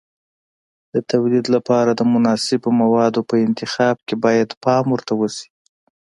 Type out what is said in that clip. د تولید لپاره د مناسبو موادو په انتخاب کې باید پام ورته وشي.